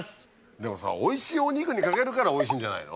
でもさおいしいお肉にかけるからおいしいんじゃないの？